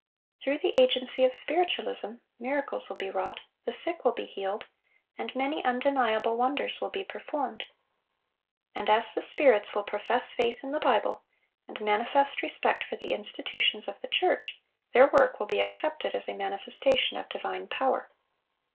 Through the agency of Spiritualism, miracles will be wrought, the sick will be healed, and many undeniable wonders will be performed. And as the spirits will profess faith in the Bible, and manifest respect for the institutions of the church, their work will be accepted as a manifestation of divine power.